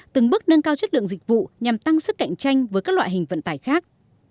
từng bước nâng cao chất lượng dịch vụ nhằm tăng sức cạnh tranh với các loại hình vận tải khác